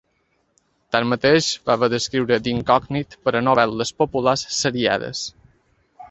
Tanmateix, va haver d'escriure d'incògnit per a novel·les populars seriades.